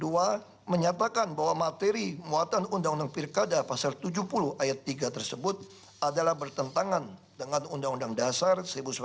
dua menyatakan bahwa materi muatan undang undang pilkada pasal tujuh puluh ayat tiga tersebut adalah bertentangan dengan undang undang dasar seribu sembilan ratus empat puluh